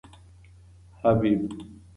حبیب